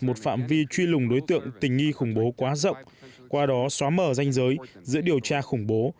một phạm vi truy lùng đối tượng tình nghi khủng bố quá rộng qua đó xóa mờ danh giới giữa điều tra khủng bố